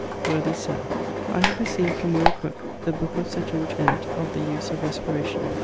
Worthy Sir, I have receaved from Will: Crooke the booke of Sir George Ent of the use of respiration.